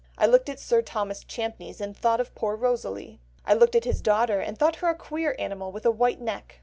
I looked at Sir Thomas Champneys and thought of poor Rosalie; I looked at his daughter, and thought her a queer animal with a white neck."